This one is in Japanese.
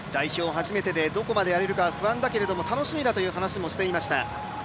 初めてでどこまでやれるかは不安だけれども楽しみだという話もしていました。